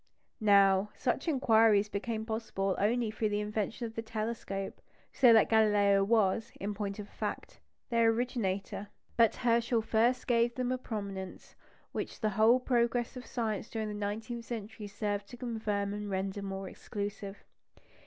Now, such inquiries became possible only through the invention of the telescope, so that Galileo was, in point of fact, their originator. But Herschel first gave them a prominence which the whole progress of science during the nineteenth century served to confirm and render more exclusive.